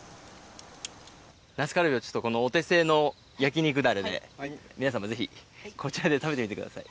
ナスカルビをちょっと、このお手製の焼き肉だれで、皆さんもぜひ、こちらで食べてみてください。